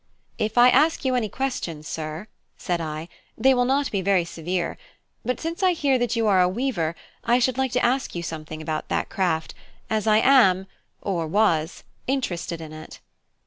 "If I ask you any questions, sir," said I, "they will not be very severe; but since I hear that you are a weaver, I should like to ask you something about that craft, as I am or was interested in it."